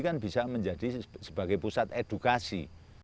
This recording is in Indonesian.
kan bisa menjadi sebagai pusat edukasi